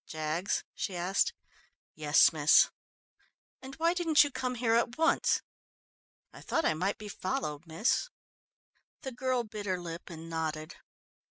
"Jaggs?" she asked. "Yes, miss." "And why didn't you come here at once?" "I thought I might be followed, miss." The girl bit her lip and nodded.